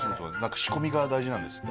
仕込みが大事なんですって。